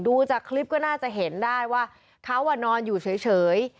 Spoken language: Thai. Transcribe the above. ดูจากคลิปก็น่าจะเห็นได้ว่าเขานอนอยู่เฉย